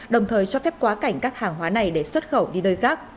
đồng thời cho phép quá cảnh các hàng hóa này để xuất khẩu đi nơi khác